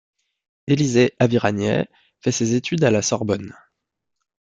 Élysée Aviragnet fait ses études à la Sorbonne.